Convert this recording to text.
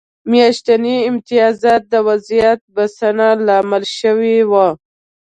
میاشتني امتیازات د وضعیت بسنه لامل شوي وو.